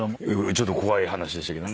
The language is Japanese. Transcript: ちょっと怖い話でしたけどね。